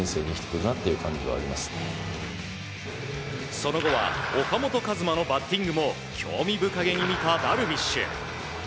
その後は岡本和真のバッティングも興味深げに見た、ダルビッシュ。